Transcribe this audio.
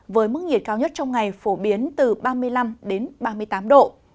với mức nhiệt cao nhất trong ngày phổ biến từ ba mươi năm đến ba mươi tám độ